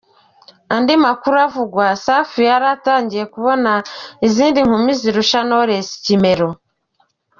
Amakuru avuga Safi yari atangiye kubona izindi nkumi zirusha Knowless ikimero.